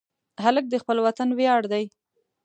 هلک د خپل وطن ویاړ دی.